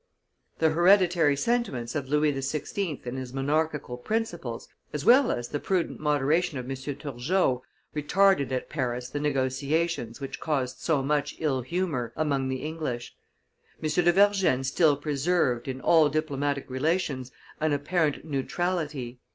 The hereditary sentiments of Louis XVI. and his monarchical principles, as well as the prudent moderation of M. Turgot, retarded at Paris the negotiations which caused so much illhumor among the English; M. de Vergennes still preserved, in all diplomatic relations, an apparent neutrality.